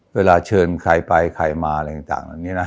เวลาเชิญใครไปใครมา